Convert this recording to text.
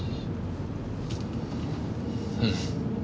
うん。